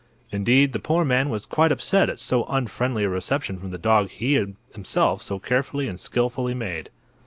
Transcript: Indeed, the poor man was quite upset at so unfriendly a reception from the dog he had himself so carefully and skillfully made.